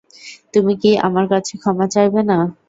তুমি কি আমার কাছে ক্ষমা চাইবেনা?